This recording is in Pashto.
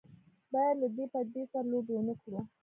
باید له دې پدیدې سره لوبې ونه کړو.